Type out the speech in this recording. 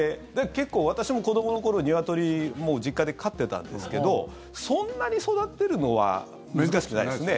結構、私も子どもの頃、ニワトリ実家で飼ってたんですけどそんなに育てるのは難しくないですね。